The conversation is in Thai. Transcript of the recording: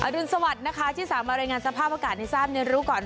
รุนสวัสดิ์นะคะที่สามารถรายงานสภาพอากาศให้ทราบในรู้ก่อน